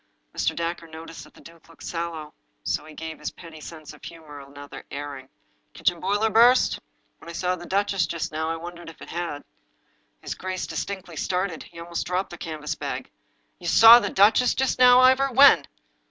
Mr. Dacre noticed that the duke looked sallow, so he gave his pretty sense of humor another airing. "Kitchen boiler burst? When I saw the duchess just now I wondered if it had." His gjace distinctly started. He almost dropped the canvas bag. " You saw the duchess just now, Ivor ! When